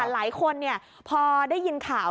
หลายคนพอได้ยินข่าว